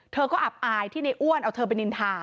เธอก็อับอายที่ในอ้วนเอาเธอไปนินทา